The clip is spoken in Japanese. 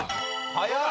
早っ！